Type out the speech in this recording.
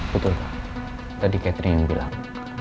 betul tadi catherine yang bilang